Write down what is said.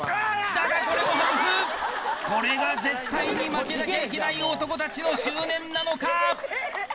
だがこれも外すこれが絶対に負けなきゃいけない男達の執念なのか？